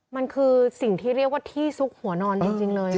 มันคือสิ่งที่เรียกว่าที่ซุกหัวนอนจริงเลย